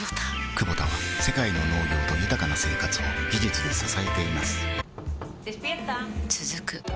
クボタは世界の農業と豊かな生活を技術で支えています起きて。